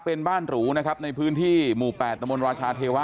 เป็นบ้านหรูนะครับในพื้นที่หมู่๘ตมราชาเทวะ